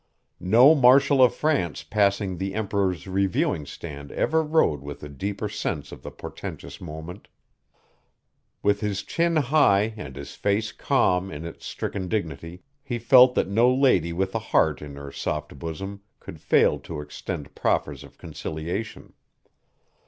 No Marshal of France passing the Emperor's reviewing stand ever rode with a deeper sense of the portentous moment. With his chin high and his face calm in its stricken dignity he felt that no lady with a heart in her soft bosom could fail to extend proffers of conciliation.